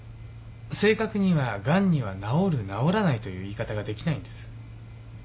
正確にはガンには治る治らないという言い方ができないんです。